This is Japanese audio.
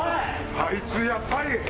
あいつやっぱり！